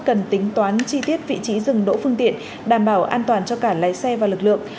cần tính toán chi tiết vị trí dừng đỗ phương tiện đảm bảo an toàn cho cả lái xe và lực lượng